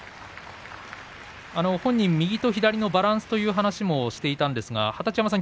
本人は右と左のバランスという話をしていたんですが二十山さん